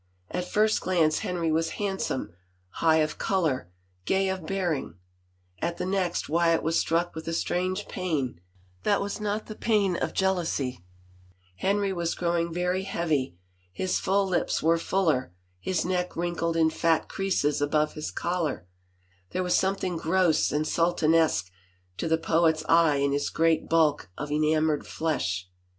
At first glance Henry was handsome, high of color, gay of bear ing, at the next Wyatt was struck with a strange pain, that was not the pain of jealousy: Henry was growing very heavy: his full lips were fuller, his neck wrinkled in fat creases above his collar ; there was something gross and Sultanesque to the poet's eye in his great bulk of enamored flesh.